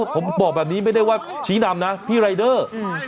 ผมบอกแบบนี้ไม่ได้ว่าชี้นำนะพี่รายเดอร์